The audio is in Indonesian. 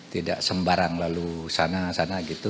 tidak sembarang lalu sana sana gitu